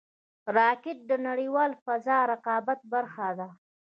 راکټ د نړیوال فضا رقابت برخه ده